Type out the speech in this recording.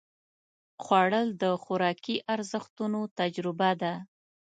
خوړل د خوراکي ارزښتونو تجربه ده